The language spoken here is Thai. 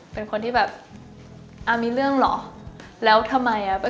เป็นคนที่แบบอ่ามีเรื่องเหรอแล้วทำไมอ่ะ